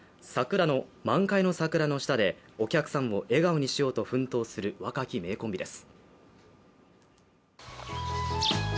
満開の桜の下でお客さんを笑顔にしようと奮闘する若き名コンビです。